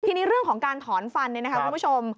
ทีนี้เรื่องของการถอนฟันเนี่ยนะคะคุณผู้ชม